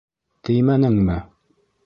Теймәнеңме?